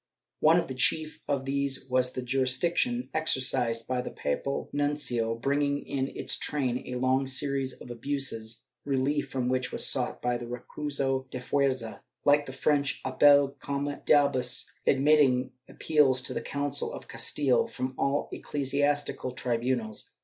One of the chief of these was the jurisdiction exercised by the papal nuncio, bringing in its train a long series of abuses, relief from which was sought by the recurso de fuerza, like the French appel comme d'ahus, admitting appeals to the Council of Castile from all ecclesiastical tribunals.